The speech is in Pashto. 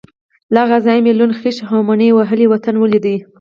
له هغه ځایه مې لوند، خېشت او مني وهلی وطن ولید.